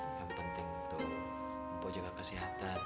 yang penting tuh bapak juga kesehatan